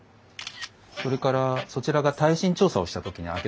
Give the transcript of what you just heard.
それからそちらが耐震調査をした時に開けたものなんですが。